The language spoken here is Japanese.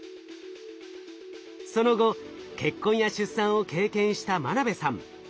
その後結婚や出産を経験した眞鍋さん。